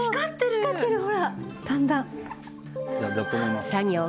光ってるほらだんだん。